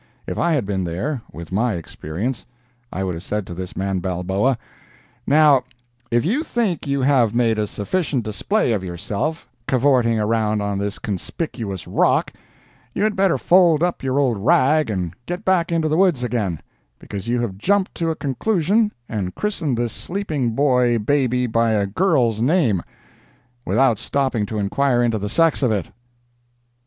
If I had been there, with my experience, I would have said to this man Balboa, "Now, if you think you have made a sufficient display of yourself, cavorting around on this conspicuous rock, you had better fold up your old rag and get back into the woods again, because you have jumped to a conclusion, and christened this sleeping boy baby by a girl's name, without stopping to inquire into the sex of it."